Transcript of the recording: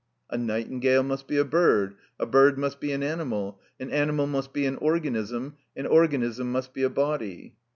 "A nightingale must be a bird, a bird must be an animal, an animal must be an organism, an organism must be a body."